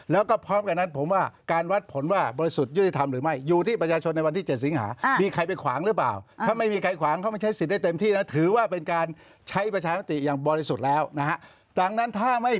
แล้วก็พร้อมกับนั้นผมว่าการวัดผลว่าบริสุทธิ์ยุทธิธรรมหรือไม่